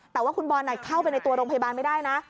แต่ว่าคุณบอลเข้าไปในตัวโรงพยาบาลไม่ได้นะ